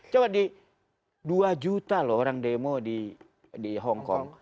coba di dua juta loh orang demo di hongkong